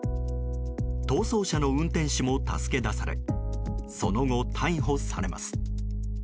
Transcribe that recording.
逃走車の運転手も助け出されその後、逮捕されます。